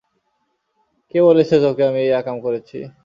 কে বলেছে তোকে আমি এই আকাম করেছি?